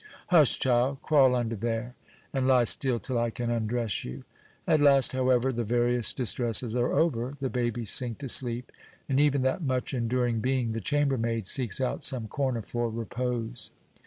"Hush, child; crawl under there, and lie still till I can undress you." At last, however, the various distresses are over, the babies sink to sleep, and even that much enduring being, the chambermaid, seeks out some corner for repose.